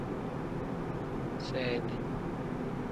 Seedi.